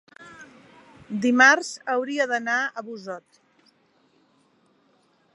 Dimarts hauria d'anar a Busot.